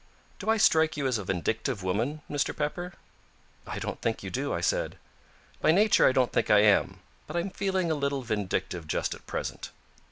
Do I strike you as a vindictive woman, Mr. Pepper?" "I don't think you do," I said. "By nature I don't think I am. But I'm feeling a little vindictive just at present."